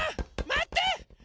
まって！